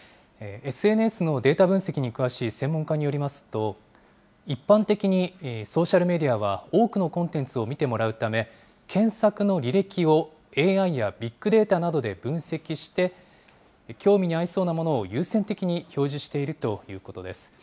ＳＮＳのデータ分析に詳しい専門家によりますと、一般的にソーシャルメディアは多くのコンテンツを見てもらうため、検索の履歴をＡＩやビッグデータなどで分析して、興味に合いそうなものを優先的に表示しているということです。